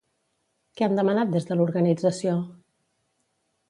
Què han demanat des de l'organització?